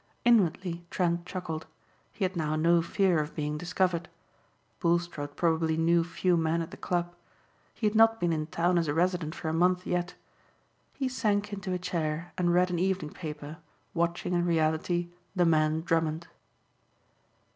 Inwardly Trent chuckled. He had now no fear of being discovered. Bulstrode probably knew few men at the club. He had not been in town as a resident for a month yet. He sank into a chair and read an evening paper watching in reality the man Drummond.